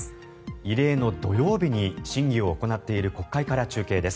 異例の土曜日に審議を行っている国会から中継です。